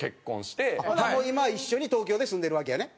もう今一緒に東京で住んでるわけやね？